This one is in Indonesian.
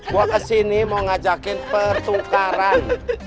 gue kesini mau ngajakin pertukaran